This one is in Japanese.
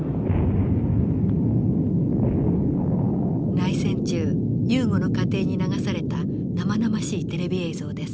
内戦中ユーゴの家庭に流された生々しいテレビ映像です。